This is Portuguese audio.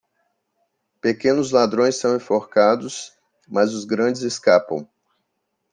Pequenos ladrões são enforcados, mas os grandes escapam.